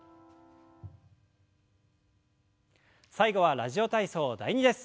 最後は「ラジオ体操第２」です。